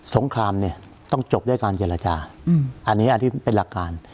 งครามเนี่ยต้องจบด้วยการเจรจาอันนี้อันนี้เป็นหลักการ